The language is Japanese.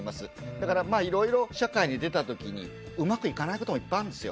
だからまあいろいろ社会に出たときにうまくいかないこともいっぱいあるんですよ。